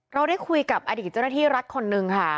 เราได้คุยกับอดีตเจ้าหน้าที่รัฐคนนึงค่ะ